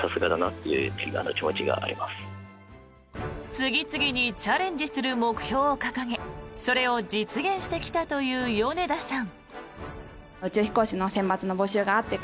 次々にチャレンジする目標を掲げそれを実現してきたという米田さん。